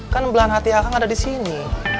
kan belahan hati akan ada disini